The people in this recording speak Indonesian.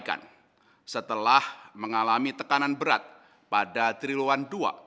perbaikan setelah mengalami tekanan berat pada triluan dua dua ribu dua puluh